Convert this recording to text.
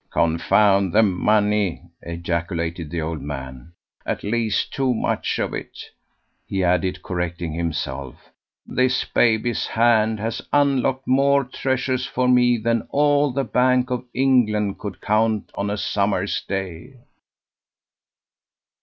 "Confound the money!" ejaculated the old man; "at least, too much of it," he added, correcting himself. "This baby's hand has unlocked more treasures for me than all the Bank of England could count on a summer's day."